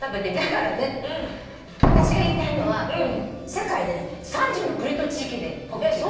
だからね私が言いたいのは世界で３０の国と地域でポッキー発売。